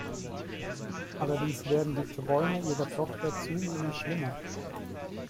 Allerdings werden die Träume ihrer Tochter zunehmend schlimmer.